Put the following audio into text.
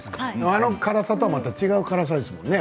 あの辛さとはまた違った辛さですものね。